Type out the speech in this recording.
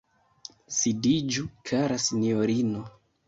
Sidiĝu, kara sinjorino.